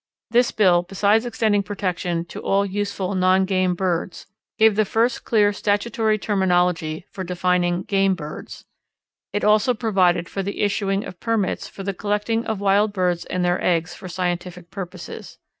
This bill, besides extending protection to all useful non game birds, gave the first clear statutory terminology for defining "game birds." It also provided for the issuing of permits for the collecting of wild birds and their eggs for scientific purposes.